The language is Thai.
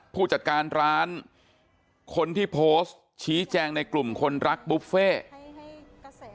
ผู้จัดการร้านคนที่โพสต์ชี้แจงในกลุ่มคนรักบุฟเฟ่